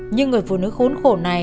nhưng người phụ nữ khốn khổ này